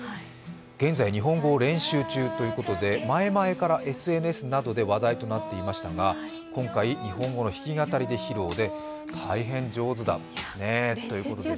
現在、日本語を練習中ということで前々からＳＮＳなどで話題となっていましたが、今回、日本語の弾き語りを披露で大変上手だということで。